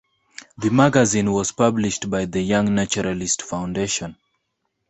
The magazine was published by the Young Naturalist Foundation.